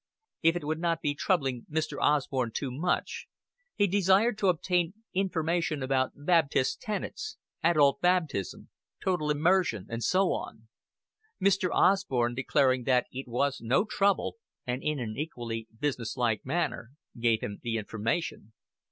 If it would not be troubling Mr. Osborn too much, he desired to obtain information about Baptist tenets, adult baptism, total immersion, and so on. Mr. Osborn, declaring that it was no trouble, and in an equally businesslike manner, gave him the information.